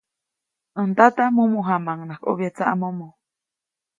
Äj ndata, mumu jamaʼuŋnaʼajk ʼobya tsaʼmomo.